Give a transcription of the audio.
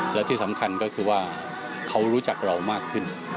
และที่สำคัญก็คือว่าเขารู้จักเรามากขึ้น